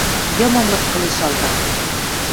Йымым мыскылен шалга.